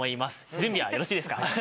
準備はよろしいですか？